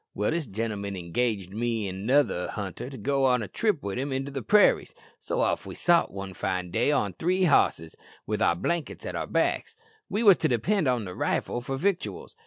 "Well, this gentleman engaged me an' another hunter to go a trip with him into the prairies, so off we sot one fine day on three hosses, with our blankets at our backs we wos to depend on the rifle for victuals.